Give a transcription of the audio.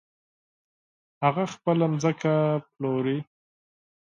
هغه خپله ځمکه پلوري .